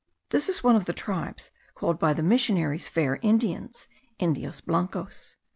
This is one of the tribes called by the missionaries fair Indians (Indios blancos).